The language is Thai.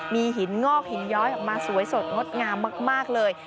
มีหินงอกหินย้อยออกมาสวยสดงดงามมากเลย